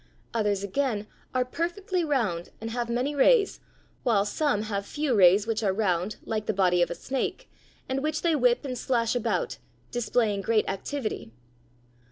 Others, again, are perfectly round and have many rays, while some have few rays which are round, like the body of a snake, and which they whip and slash about, displaying great activity.